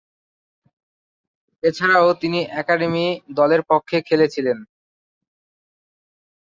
এছাড়াও, তিনি একাডেমি দলের পক্ষে খেলেছিলেন।